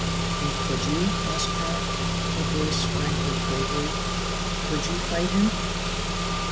"And could you?" asked Pat, her voice frankly quavery. "Could you fight him?"